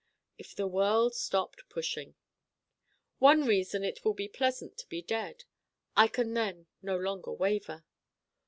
If the world stopped pushing One reason it will be pleasant to be dead: I can then no longer Waver.